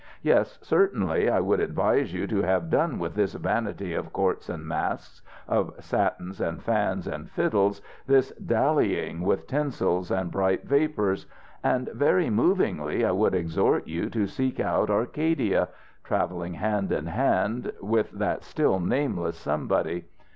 Yes, certainly I would advise you to have done with this vanity of courts and masques, of satins and fans and fiddles, this dallying with tinsels and bright vapours; and very movingly I would exhort you to seek out Arcadia, travelling hand in hand with that still nameless somebody."